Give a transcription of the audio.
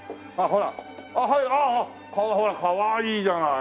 ほらかわいいじゃない。